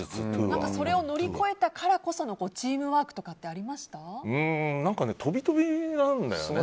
それを乗り越えたからこそのチームワークとかって飛び飛びなんだよね。